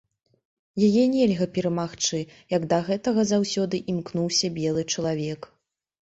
Яе нельга перамагчы, як да гэтага заўсёды імкнуўся белы чалавек.